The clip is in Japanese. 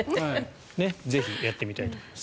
ぜひやってみたいと思います。